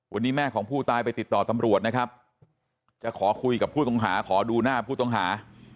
วันนี้แม่ของผู้ตายไปติดต่อตำรวจนะครับจะขอคุยกับผู้ต้องหาขอดูหน้าผู้ต้องหา